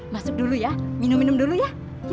masuk dulu ya minum minum dulu ya